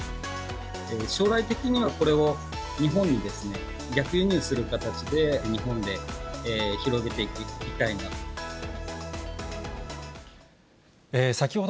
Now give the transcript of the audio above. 将来的には、これを日本に逆輸入する形で、日本で広げていきたいなと。